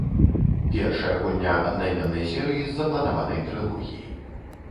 Першая гульня аднайменнай серыі з запланаванай трылогіі.